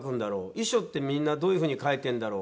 遺書ってみんなどういうふうに書いてるんだろう。